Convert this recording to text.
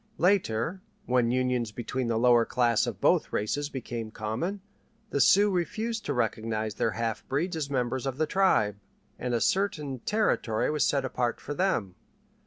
Later, when unions between the lower class of both races became common, the Sioux refused to recognize their half breeds as members of the tribe, and a certain territory was set apart for them.